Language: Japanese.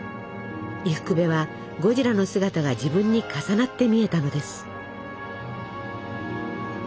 伊福部はゴジラの姿が自分に重なって見えたのです。